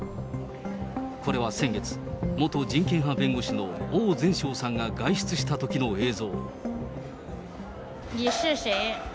これは先月、元人権派弁護士の王全ショウさんが外出したときの映像。